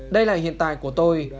đây là hiện tại của tôi